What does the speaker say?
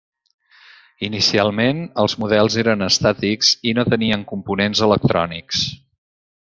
Inicialment, els models eren estàtics i no tenien components electrònics.